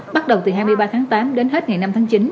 bắt đầu từ hai mươi ba tháng tám đến hết ngày năm tháng chín